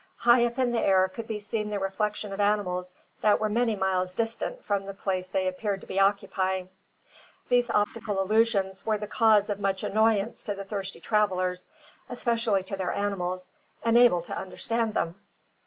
High up in the air could be seen the reflection of animals that were many miles distant from the place they appeared to be occupying. These optical illusions were the cause of much annoyance to the thirsty travellers, especially to their animals, unable to understand them.